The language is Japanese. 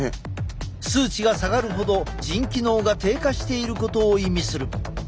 数値が下がるほど腎機能が低下していることを意味する。